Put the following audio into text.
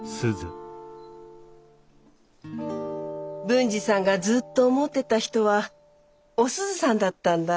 文治さんがずっと思ってた人はお鈴さんだったんだ。